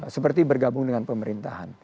seperti bergabung dengan pemerintahan